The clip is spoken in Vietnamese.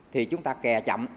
thì chúng ta kè chậm